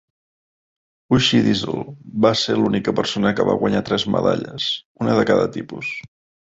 Uschi Disl va ser l'única persona que va guanyar tres medalles, una de cada tipus.